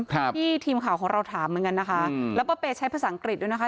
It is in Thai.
ครับที่ทีมข่าวของเราถามเหมือนกันนะคะอืมแล้วป้าเปย์ใช้ภาษาอังกฤษด้วยนะคะ